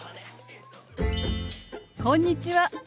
こんにちは。